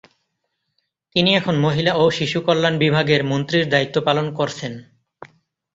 তিনি এখন মহিলা ও শিশু কল্যাণ বিভাগের মন্ত্রীর দায়িত্ব পালন করছেন।